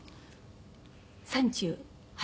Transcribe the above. ３８。